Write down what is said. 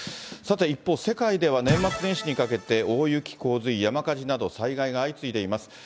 さて一方、世界では年末年始にかけて大雪、洪水、山火事など災害が相次いでいます。